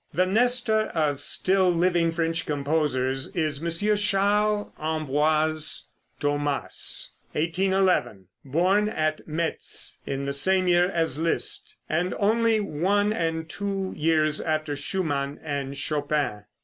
The Nestor of still living French composers is M. Charles Ambroise Thomas (1811 ), born at Metz in the same year as Liszt, and only one and two years after Schumann and Chopin.